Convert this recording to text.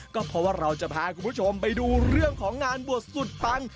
ก็เพราะว่าเราจะพาคุณผู้ชมไปดูเรื่องของงานบวชสุดปัง